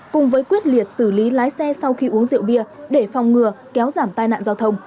cùng với quyết liệt xử lý lái xe sau khi uống rượu bia để phòng ngừa kéo giảm tai nạn giao thông